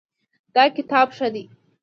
دا کتاب ښه دی